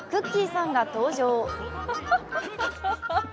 さんが登場。